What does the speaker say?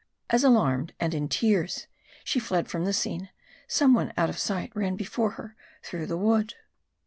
As alarmed, and in tears, she fled from the scene, some one out of sight ran before her through the wood.